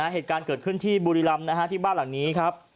เหตุการณ์เกิดขึ้นที่บุรีรำที่บ้านหลังนี้ครับ